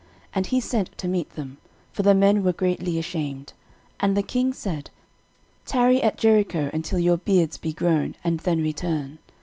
And he sent to meet them: for the men were greatly ashamed. And the king said, Tarry at Jericho until your beards be grown, and then return.